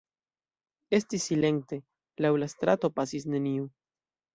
Estis silente, laŭ la strato pasis neniu.